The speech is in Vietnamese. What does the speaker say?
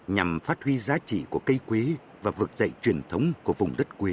nhằm phát huy giá trị của cây quế và vượt dậy truyền thống của vùng đất quế